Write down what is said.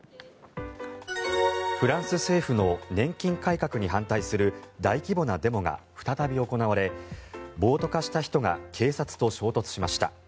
フランス政府の年金改革に反対する大規模なデモが再び行われ暴徒化した人が警察と衝突しました。